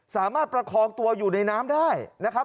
ประคองตัวอยู่ในน้ำได้นะครับ